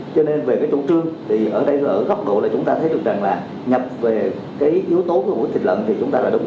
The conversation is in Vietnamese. cho nên về cái chủ trương thì ở đây ở góc độ là chúng ta thấy được rằng là nhập về cái yếu tố của mỗi thịt lợn thì chúng ta đã đúng